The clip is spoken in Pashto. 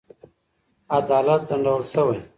عدالت ځنډول شوی.